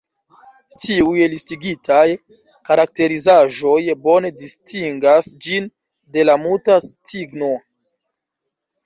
Tiuj listigitaj karakterizaĵoj bone distingas ĝin de la Muta cigno.